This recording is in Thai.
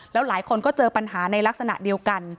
แล้วหลายคนก็เจอปัญหาในลักษณะเดียวกัน